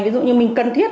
ví dụ như mình cần thiết